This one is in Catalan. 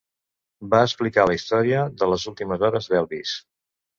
Va explicar la història de les últimes hores d'Elvis.